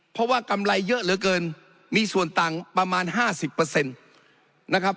เพราะว่ากำไรเยอะเหลือเกินมีส่วนตังค์ประมาณห้าสิบเปอร์เซ็นต์นะครับ